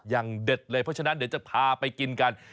อย่างเด็ดเลยเพราะฉะนั้นเดี๋ยวจะพาไปกินกัน